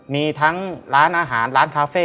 มีทั้งร้านอาหารร้านคาเฟ่